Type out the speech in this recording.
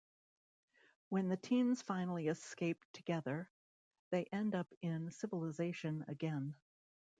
When the teens finally escape together, they end up in civilization again.